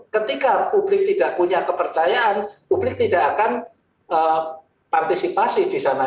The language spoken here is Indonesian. ketika publik tidak punya kepercayaan publik tidak akan partisipasi di sana